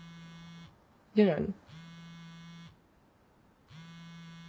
出ないの？